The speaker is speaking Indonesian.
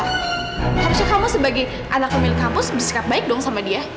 harusnya kamu sebagai anak pemilik kampus bersikap baik dong sama dia